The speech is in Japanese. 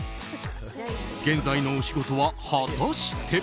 現在のお仕事は果たして。